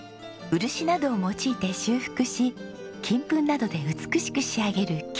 漆などを用いて修復し金粉などで美しく仕上げる金継ぎ。